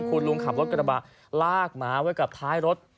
คุณลุงขับรถกระบะลากหมาไว้กับท้ายรถ